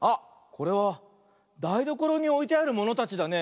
これはだいどころにおいてあるものたちだね。